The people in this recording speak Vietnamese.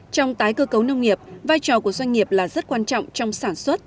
trong tái cơ cấu nông nghiệp vai trò của doanh nghiệp là rất quan trọng trong sản xuất